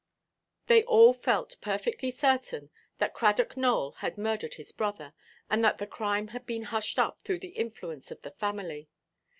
They all felt perfectly certain that Cradock Nowell had murdered his brother, and that the crime had been hushed up through the influence of the family.